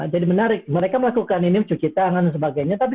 jadi menarik mereka melakukan ini cuci tangan dan sebagainya